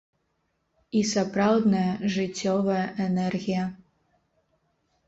І сапраўдная жыццёвая энергія.